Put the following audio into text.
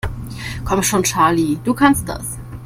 Komm schon, Charlie, du kannst das!